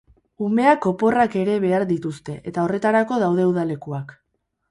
Umeak oporrak ere behar dituzte eta horretarako daude udalekuak.